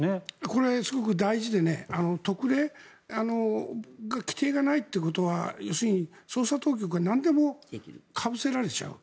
これ、すごく大事で特例の規定がないということは要するに捜査当局はなんでもかぶせられちゃう。